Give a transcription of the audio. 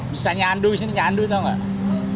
bisa nyandu disini nyandu tau nggak